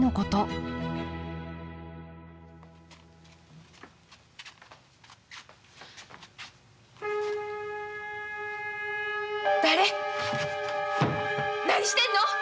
何してんの？